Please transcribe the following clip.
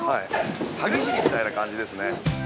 ◆歯ぎしりみたいな感じですね。